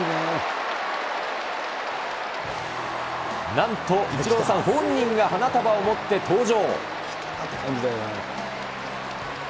なんと、イチローさん本人が花束を持って登場。